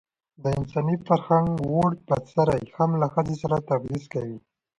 د انساني فرهنګ ووړ بڅرى هم له ښځې سره تبعيض کوي.